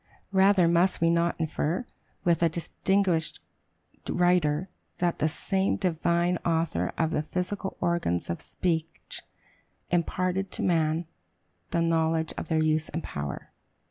Rather must we not infer, with a distinguished writer, that "the same Divine Author of the physical organs of speech imparted to man the knowledge of their use and power"?